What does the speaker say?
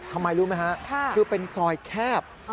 ทำไมรู้ไหมฮะคือเป็นซอยแคบ